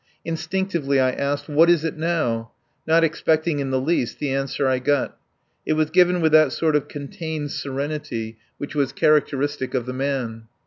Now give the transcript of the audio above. Instinctively I asked: "What is it now?" not expecting in the least the answer I got. It was given with that sort of contained serenity which was characteristic of the man.